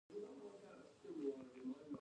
دا ټول د کیسې او باور په ترکیب جوړ شوي دي.